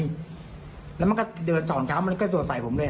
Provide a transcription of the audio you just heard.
แล้วมันก็เดินสอนกันมันก็โดดต่อยผมด้วย